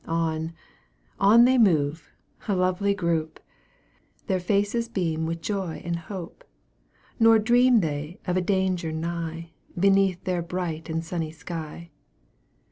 On, on they move, a lovely group! Their faces beam with joy and hope; Nor dream they of a danger nigh, Beneath their bright and sunny sky.